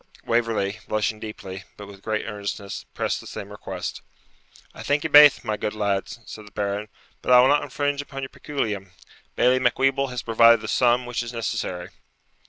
Waverley, blushing deeply, but with great earnestness, pressed the same request. 'I thank ye baith, my good lads,' said the Baron, 'but I will not infringe upon your peculium. Bailie Macwheeble has provided the sum which is necessary.'